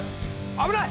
危ない！